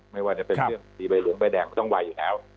ไม่ว่าจะเป็นเรื่องสีใบเหลืองใบแดงก็ต้องไวอยู่แล้ว